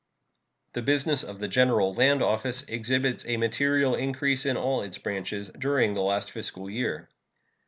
The business of the General Land Office exhibits a material increase in all its branches during the last fiscal year.